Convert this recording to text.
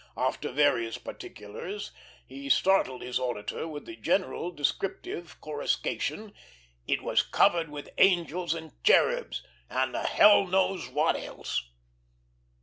After various particulars, he startled his auditor with the general descriptive coruscation, "It was covered with angels and cherubs, and the h l knows what else."